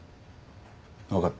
分かった。